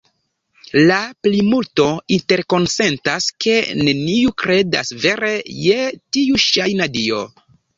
La plimulto interkonsentas, ke neniu kredas vere je tiu ŝajna dio.